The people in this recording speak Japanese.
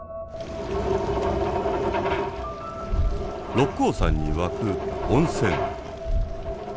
六甲山に湧く温泉。